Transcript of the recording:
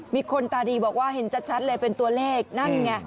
มีคนตาดีบอกว่าเห็นชัดเลยเป็นตัวเลขนั่นไง